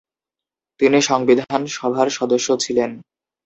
তিনি সংবিধান সভার সদস্য ছিলেন।